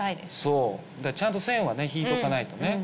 そうちゃんと線はね引いとかないとね